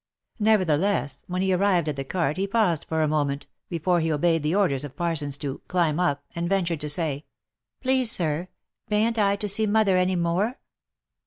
Nevertheless, when he arrived at the cart he paused for a moment, before he obeyed the orders of Parsons to " climb up," and ventured to say, " Please sir, beant I to see mother any more?"